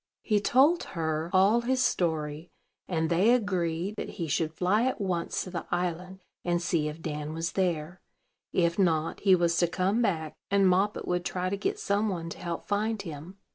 He told her all his story; and they agreed that he should fly at once to the island, and see if Dan was there; if not, he was to come back, and Moppet would try to get some one to help find him.